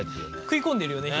食い込んでるよね